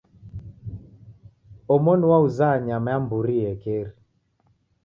Omoni wauza nyama ya mburi iekeri.